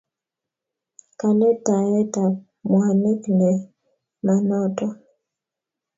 Kaletaet ab mwanik ne ma notok